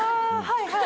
はい